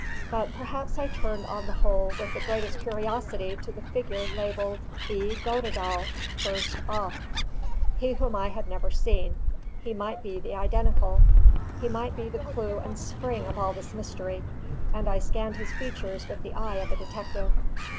But perhaps I turned on the whole with the greatest curiosity to the figure labelled "E. Goddedaal, 1st off." He whom I had never seen, he might be the identical; he might be the clue and spring of all this mystery; and I scanned his features with the eye of a detective.